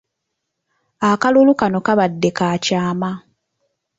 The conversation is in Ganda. Akalulu kano kabadde ka kyama .